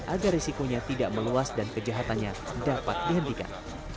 agar risikonya tidak meluas dan kejahatannya dapat dihentikan